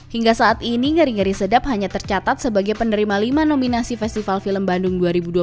hingga saat ini ngeri ngeri sedap hanya tercatat sebagai penerima lima nominasi festival film bandung dua ribu dua puluh tiga